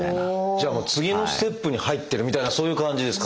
じゃあもう次のステップに入ってるみたいなそういう感じですか？